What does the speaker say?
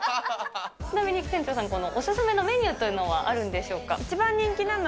ちなみに店長さん、お勧めのメニューというのはあるんでしょうか。